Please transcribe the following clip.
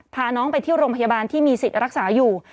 พาน้องไปที่โรงพยาบาลที่มีสิทธิ์รักษาอยู่